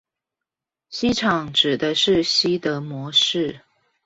西廠指的是西德模式